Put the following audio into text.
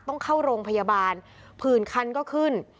ต้องเข้าโรงพยาบาลผื่นคันก็ขึ้น